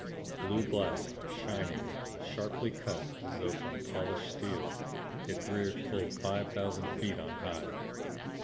Blue black, shining, sharply cut as though from polished steel, it reared full five thousand feet on high!